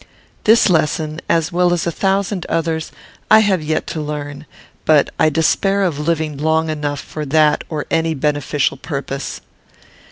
This lesson, as well as a thousand others, I have yet to learn; but I despair of living long enough for that or any beneficial purpose.